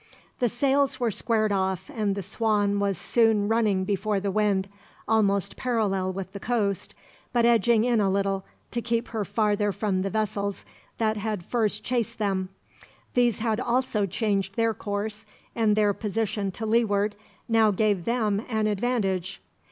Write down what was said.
The sails were squared off, and the Swan was soon running before the wind; almost parallel with the coast, but edging in a little, to keep her farther from the vessels that had first chased them. These had also changed their course, and their position to leeward now gave them an advantage.